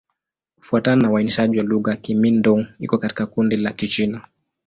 Kufuatana na uainishaji wa lugha, Kimin-Dong iko katika kundi la Kichina.